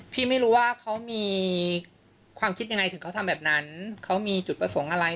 ไม่รู้ว่าเขามีความคิดยังไงถึงเขาทำแบบนั้นเขามีจุดประสงค์อะไร